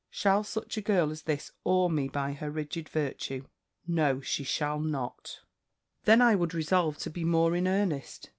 Shall such a girl as this awe me by her rigid virtue? No, she shall not.' "Then I would resolve to be more in earnest.